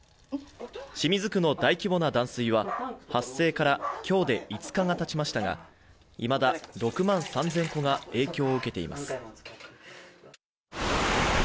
清水区の大規模な断水は発生から今日で５日がたちましたがいまだ６万３０００戸が影響を受けています。